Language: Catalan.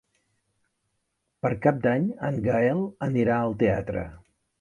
Per Cap d'Any en Gaël anirà al teatre.